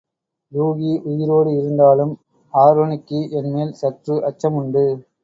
யூகி உயிரோடு இருந்தாலும் ஆருணிக்கு என்மேல் சற்று அச்சமுண்டு.